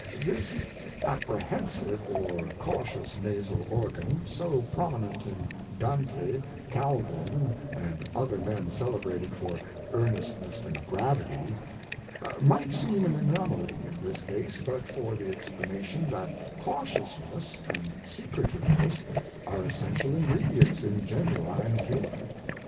This * apprehensive" or cautious nasal organ, so prominent in Dante, Cal vin and other men celebrated for earnest ness and gravity, might seem an anomaly in this case but for the explanation that cautiousness and secretiveness are essen tial ingredients in genuine humor.